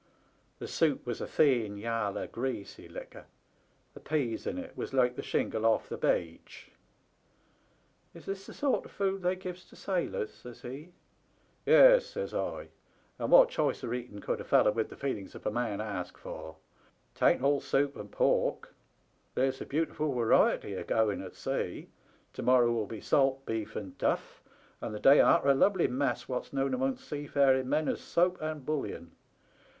The soup was a thin yaller, greasy liquor. The peas in it was like the shingle off the beach. "* Is this the sort of food they gives to sailors ?' says he. "' Yes,' says I. * And what choicer eating could a feller with the feelings of a man ask for ? 'Taint all soup and pork ; there's a beautiful wariety a going at sea. To morrow'll be salt beef and duflf, and the day arter a lovely mess, what's known amongst seafaring men as soap and bullion.